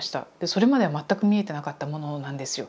それまでは全く見えてなかったものなんですよ。